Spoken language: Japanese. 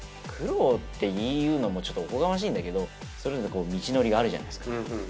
苦労っていうのもちょっとおこがましいんだけどそれぞれ道のりがあるじゃないですか。